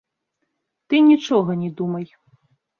Ты нічога не думай.